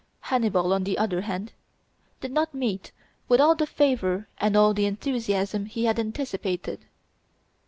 Hannibal, on the other hand, did not meet with all the favor and all the enthusiasm he had anticipated.